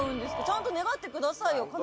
ちゃんと願ってくださいよ。